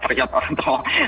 terjatuh orang tahu